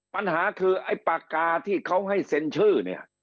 ปัญหาคือไอ้ปากกาที่เขาให้เซ็นชื่อเนี่ย